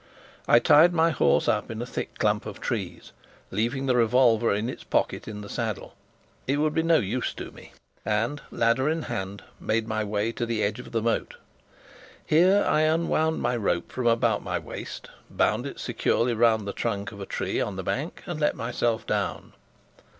I tied my horse up in a thick clump of trees, leaving the revolver in its pocket in the saddle it would be no use to me and, ladder in hand, made my way to the edge of the moat. Here I unwound my rope from about my waist, bound it securely round the trunk of a tree on the bank, and let myself down.